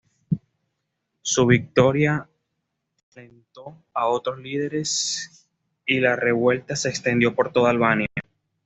Su victoria alentó a otros líderes y la revuelta se extendió por toda Albania.